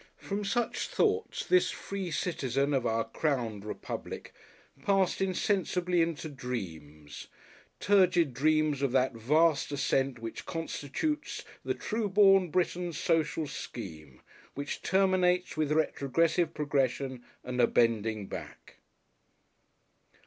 From such thoughts this free citizen of our Crowned Republic passed insensibly into dreams, turgid dreams of that vast ascent which constitutes the true born Briton's social scheme, which terminates with retrogressive progression and a bending back.